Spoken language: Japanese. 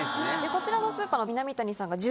こちらのスーパーの南谷さんが１０円